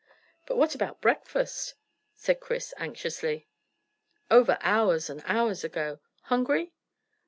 "But what about breakfast?" said Chris anxiously. "Over hours and hours ago. Hungry?"